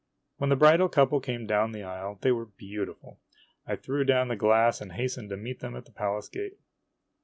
When the bridal couple came down the aisle, they were beau tiful. I threw down the glass and hastened to meet them at the palace gate.